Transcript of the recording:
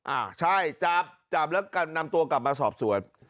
อ่าใช่จับจับแล้วกันนำตัวกลับมาสอบสวน